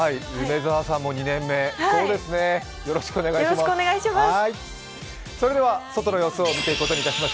梅澤さんも２年目、よろしくお願いします。